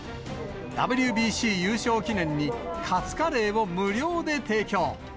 ＷＢＣ優勝記念に、カツカレーを無料で提供。